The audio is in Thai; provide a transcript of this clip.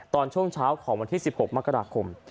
ตอนช่วงเช้าของวันที่๑๖มกราคม